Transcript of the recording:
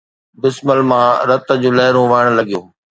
بسمل مان رت جون لهرون وهڻ لڳيون